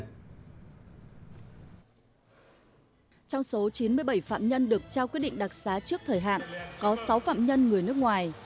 trong số chín mươi bảy phạm nhân được trao quyết định đặc xá trước thời hạn có sáu phạm nhân người nước ngoài